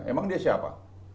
emang dia siapa